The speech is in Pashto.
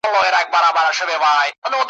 معجزه د خپل خالق یم، منترونه ماتومه ,